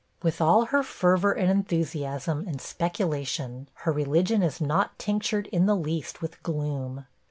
With all her fervor, and enthusiasm, and speculation, her religion is not tinctured in the least with gloom.